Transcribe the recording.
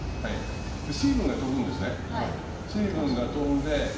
水分が飛ぶんですね。